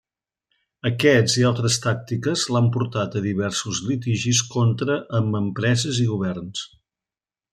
Aquests i altres tàctiques l'han portat a diversos litigis contra amb empreses i governs.